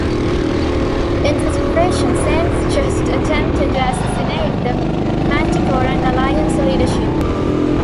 In desperation, Saint-Just attempts to assassinate the Manticoran Alliance leadership.